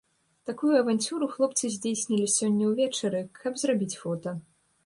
Такую аванцюру хлопцы здзейснілі сёння ўвечары, каб зрабіць фота.